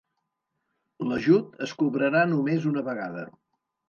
L'ajut es cobrarà només una vegada.